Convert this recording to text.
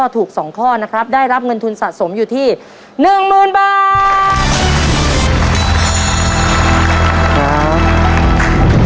ถูก๒ข้อนะครับได้รับเงินทุนสะสมอยู่ที่๑๐๐๐บาท